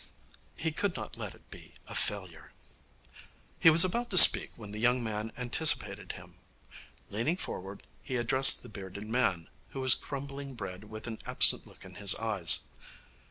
He could not let it be a failure. He was about to speak when the young man anticipated him. Leaning forward, he addressed the bearded man, who was crumbling bread with an absent look in his eyes.